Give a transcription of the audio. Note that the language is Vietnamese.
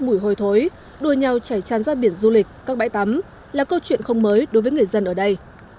mùi hôi thối đua nhau chảy tràn ra biển du lịch các bãi tắm là câu chuyện không mới đối với người dân ở đây